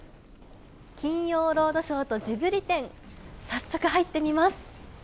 金曜ロードショーとジブリ展、早速入ってみます。